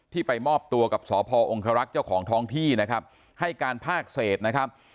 ไปมอบตัวกับสพองครักษ์เจ้าของท้องที่นะครับให้การภาคเศษนะครับ